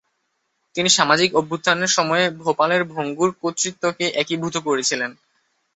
তিনি সামাজিক অভ্যুত্থানের সময়ে ভোপালের ভঙ্গুর কর্তৃত্বকে একীভূত করেছিলেন।